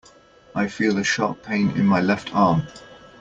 I feel a sharp pain in my left arm.